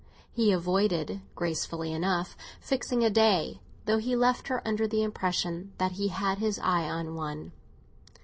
He avoided, gracefully enough, fixing a day, though he left her under the impression that he had his eye on one.